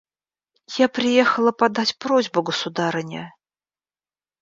Я приехала подать просьбу государыне.